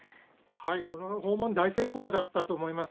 この訪問、大成功だったと思います。